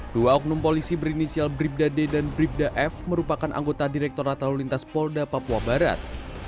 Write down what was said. dua oknum polisi berinisial bribda d dan bribda f merupakan anggota direkturat lalu lintas polda papua barat